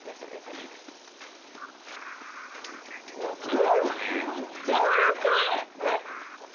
うん、やわらかい。